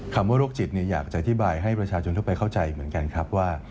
โรคจิตอยากจะอธิบายให้ประชาชนทั่วไปเข้าใจเหมือนกันครับว่า